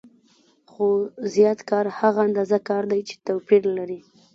خو زیات کار هغه اندازه کار دی چې توپیر لري